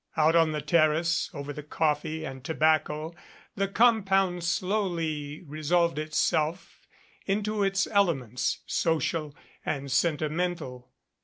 Out on the terrace over the coffee and tobacco, the compound slowly resolved itself into its elements, social and sentimental.